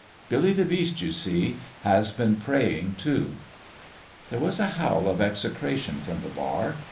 Billy the Beast, you see, has been praying, too." There was a howl of execration from the bar.